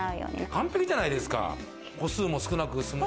完璧じゃないですか？